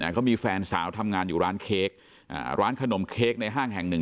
เขามีแฟนสาวทำงานอยู่ร้านเค้กร้านขนมเค้กในห้างแห่งหนึ่ง